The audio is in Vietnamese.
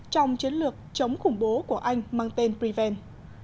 trong chiến lược chống khủng bố của anh mang tên privan